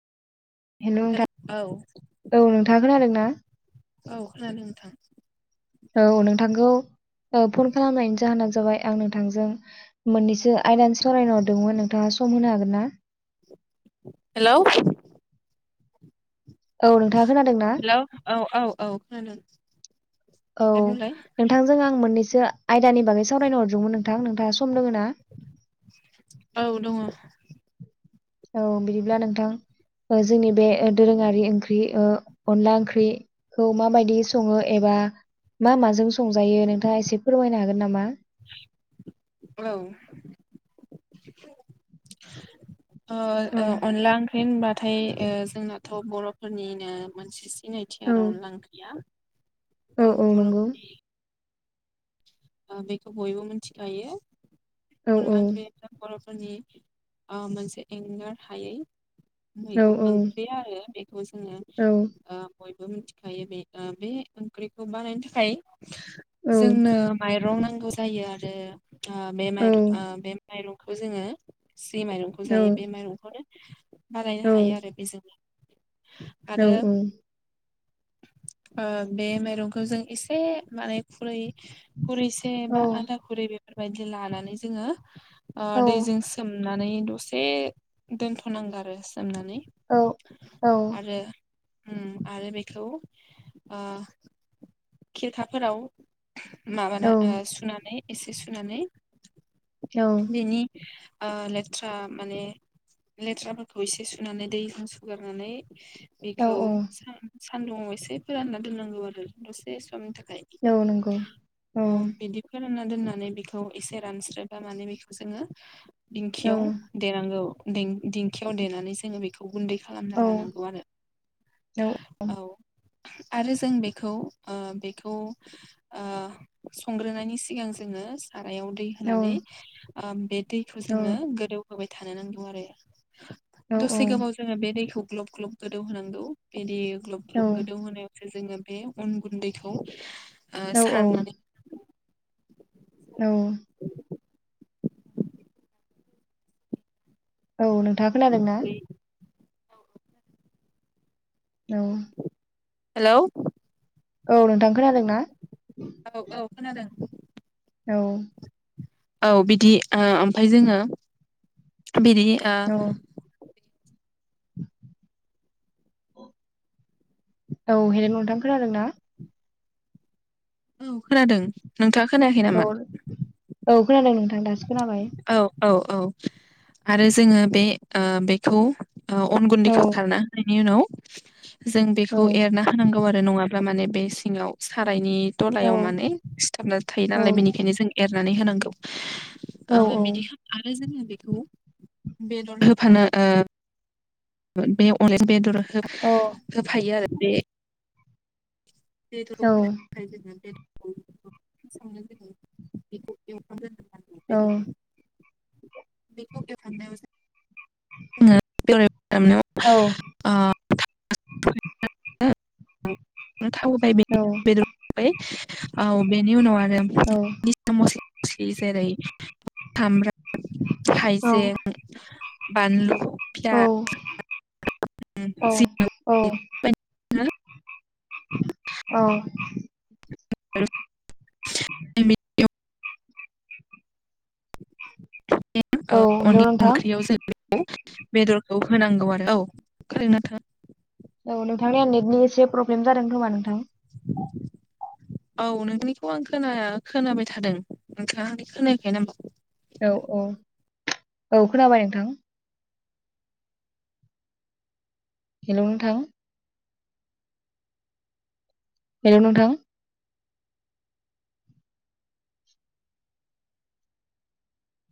Hello hello नोंथां औ औ नोंथाङा खोनादों ना औ खोनादों नोंथां औ नोंथांखौ ओ फन खालामनायनि जाहोना जाबाय आं नोंथांजों मोननैसो आयदानि सावरायनो हरदोंमोन नोंथाङा सम होनो हागोन ना? हेलौ औ नोंथाङा खोनादोंना हेलौ औ औ औ औ दे बुंलाय नोंथांजों आं मोननैसो सो आयदानि बागै सावरायनो हरदोंमोन नोंथां नोंथाङा सम दोङोना? औ दङ' औ बिदिब्ला नोंथां जोंनि बे दोरोङारि ओंख्रि ओ अनला ओंख्रिखौ माबायदि सङो एबा मा माजों संजायो नोंथाङा एसे फोरमायनो हागोन नामा? औ अ ओ औ अनला ओंख्रि होनबाथाय ओ जोंनाथ' बर'फोरनिनो मोनसे सिनायथि औ आरो अनला ओंख्रिया औ बर'फोरनि बेखौ बयबो मिथिखायो औ औ अनला ओंख्रिया बर'फोरनि फोरनि ओ मोनसे एंगार हायै औ मैगं ओंख्रि आरो खौ जोङो औ ओ बयबो मिथिखायो बे बे ओंख्रिखौ बानायनो थाखाय औ जोंनो माइरं नांगौ जायो आरो ओ बे औ ओ बे माइरंखौ जोङो जि माइरंखौ जायो बे माइरंखौनो बानायनो हायो आरो बेजों औ औ ओ बे माइरंखौ जों एसे माने खुरै खुरैसे बा आधा खुरै बेफोरबायदि लानानै जोङो ओ औ दैजों सोमनानै नानै दसे दोनथ'नांगौ आरो सोमनानै औ आरो ओम आरो बेखौ ओ खिरखाफोराव माबाना ओ सुनानै एसे सुनानै बेनि ओ लेथ्रा माने लेथ्राफोरखौ एसे सुनानै दैजों सुगारनानै औ बेखौ सानदुङाव एसे फोरानना दोननांगौ आरो दसे समनि थाखाय औ नंगौ औ बिदि फोरानना दोननानै बेखौ एसे रानस्रोबा माने बेखौ जोङो औ दिंखियाव देनांगौ दिंखियाव देनानै जोङो बेखौ गुनदै औ खालामना लानांगौ आरो औ आरो जों बेखौ ओ बेखौ ओ संग्रोनायनि सिगां जोङो सारायाव दै औ होनानै बे दैखौ जोङो गोदौहोबाय थानो नांगौ आरो दसे गोबाव जोङो बे दैखौ ग्लब ग्लब गोदौ होनांगौ बिदि ग्लब औ ग्लब गोदौ होनायाव जोङो बे अन गुन्दैखौ सारनानै औ औ नोंथाङा खोनादों ना औ हेल' औ नोंथां खोनादों ना औ औ खोनादों औ औ बिदि ओमफ्राय जोङो बिदि ओ औ [inaudible] औ हेलो नोंथां खोनादों ना औ खोनादों नोंथाङा खोनायाखै औ नामा औ खोनादों नोंथां दासो खोनाबाय औ औ आरो जोङो बे बेखौ अन औ गुन्दैखौ सारना होनायनि उनाव जों औ बेखौ एरना होनांगौ आरो नङाब्ला माने बे सिङाव सा दायनि औ दलायाव माने सिथाबना थायो औ नालाय बेनिखायनो जों एरनानै होनांगौ औ बिदि खालाम आरो जोङो बेखौ बेदर होफानो बे [unintelligible] बेदर औ होफायो आरो बे [inaudible] [unintelligible] औ बेखौ एवफामनायाव जों [unintelligible] [unintelligible] थाव होबाय औ बेदर होबाय औ बेनि उनाव आरो औ जेरै सामब्राम औ हाइजें बानलु औ औ औ [unintelligible] अनला ओंख्रियाव जों बेखौ बेदरखौ हेलौ नोंथां होनांगौ आरो औ खोंनादोंना नोंथाङा औ नोंथांनिया नेटनि एसे प्रब्लेम जादों खोमा नोंथां [inaudible] औ नोंथांनिखौ आं खोनाया खोनाबाय थादों नोंथाङा आंनिखौ खोनायाखै नामा औ औ औ खोनाबाय नोंथां हेल' नोंथां हेल' नोंथां